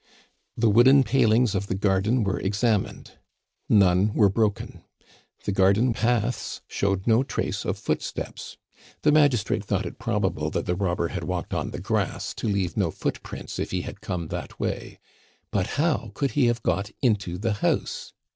The wooden palings of the garden were examined; none were broken. The garden paths showed no trace of footsteps. The magistrate thought it probable that the robber had walked on the grass to leave no foot prints if he had come that way; but how could he have got into the house?